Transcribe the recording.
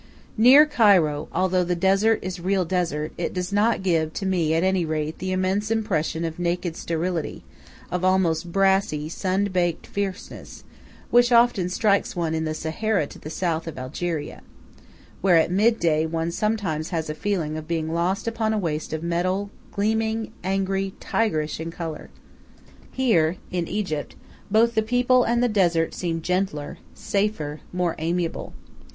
Near Cairo, although the desert is real desert, it does not give, to me, at any rate, the immense impression of naked sterility, of almost brassy, sun baked fierceness, which often strikes one in the Sahara to the south of Algeria, where at midday one sometimes has a feeling of being lost upon a waste of metal, gleaming, angry, tigerish in color. Here, in Egypt, both the people and the desert seem gentler, safer, more amiable.